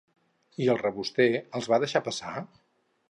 I el reboster els va deixar passar?